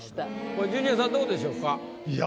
これジュニアさんどうでしょうか？